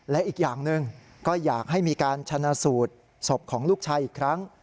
และอีกอย่างหนึ่งก็อยากให้มีการชนะสูตรศพของลูกชายอีกครั้ง